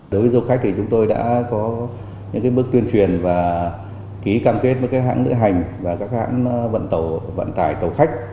đối với du khách thì chúng tôi đã có những cái bước tuyên truyền và ký cam kết với các hãng lữ hành và các hãng vận tải tàu khách